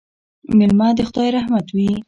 مېلمه د خدای رحمت وي